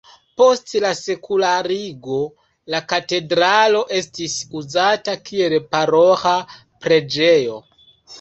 Post la sekularigo la katedralo estis uzata kiel paroĥa preĝejo.